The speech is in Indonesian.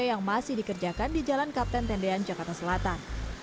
yang masih dikerjakan di jalan kapten tendean jakarta selatan